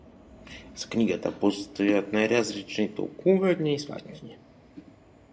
За книгата постојат најразлични толкувања и сфаќања.